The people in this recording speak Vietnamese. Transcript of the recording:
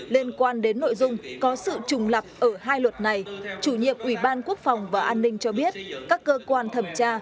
liên quan đến nội dung có sự trùng lập ở hai luật này chủ nhiệm ủy ban quốc phòng và an ninh cho biết các cơ quan thẩm tra